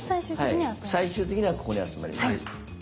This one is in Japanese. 最終的にはここに集まります。